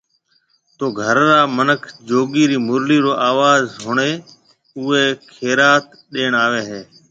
تو گھر را منک جوگي ري مُرلي رو آواز ۿڻي اوئي خيريئات ڏيڻ آوي ھيَََ